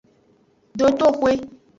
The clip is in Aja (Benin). Dotoxwe.